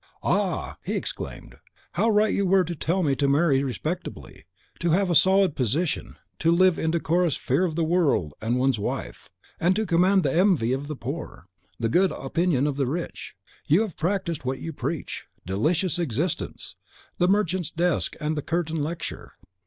"Ah!" he exclaimed, "how right you were to tell me to marry respectably; to have a solid position; to live in decorous fear of the world and one's wife; and to command the envy of the poor, the good opinion of the rich. You have practised what you preach. Delicious existence! The merchant's desk and the curtain lecture!